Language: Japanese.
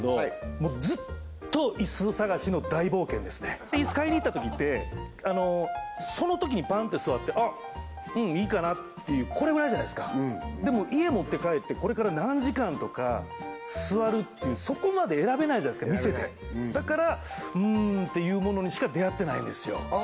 もうずっとイス探しの大冒険ですねイス買いに行ったときってそのときにパンって座って「あっうんいいかな」っていうこれぐらいじゃないですかでも家持って帰ってこれから何時間とか座るっていうそこまで選べないじゃないですか店でだから「うーん」ていうものにしか出会ってないんですよああ